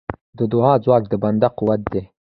د دعا ځواک د بنده قوت دی.